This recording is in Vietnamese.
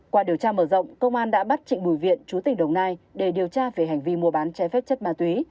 qua điều tra mở rộng công an đã bắt trịnh bùi viện chú tỉnh đồng nai để điều tra về hành vi mua bán trái phép chất ma túy